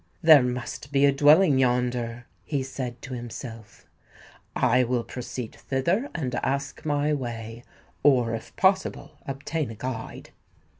"There must be a dwelling yonder," he said to himself; "I will proceed thither, and ask my way; or, if possible, obtain a guide."